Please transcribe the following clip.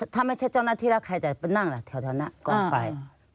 ถ้าไม่ใช่เจ้าหน้าที่แล้วใครจะไปนั่งล่ะแถวหน้ากองไฟ